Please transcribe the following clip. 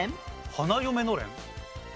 花嫁のれん。